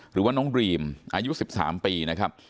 หรือว่าน้องดรีมอายุ๑๓ปีนะครับ